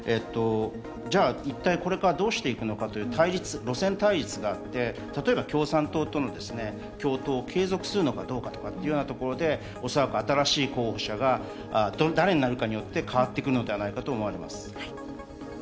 一体これからどうしていくのかという路線対立があって、例えば共産党との共闘を継続するのか、おそらく新しい候補者が誰になるかによって変わってくるのではないかと思われます。